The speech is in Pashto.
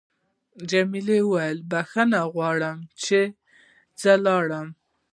جميلې وويل: بخښنه غواړم چې زه لاړم.